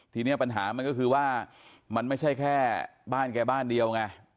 ทีนี้ปัญหามันก็คือว่ามันไม่ใช่แค่บ้านแกบ้านเดียวไง